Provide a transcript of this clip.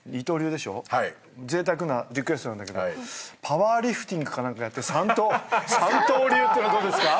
ぜいたくなリクエストなんだけどパワーリフティングか何かやって三刀流ってのはどうですか？